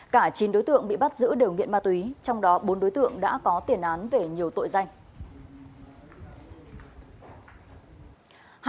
cả chín đối tượng bị bắt giữ đều nghiện ma túy trong đó bốn đối tượng đã có tiền án về nhiều tội danh